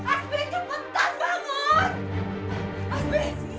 asmi cepetan bangun